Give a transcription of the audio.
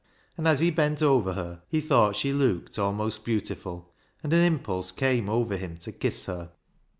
And as he bent over her he thought she looked almost beautiful, and an impulse came over him to kiss her.